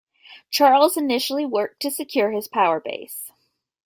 Charles initially worked to secure his power base.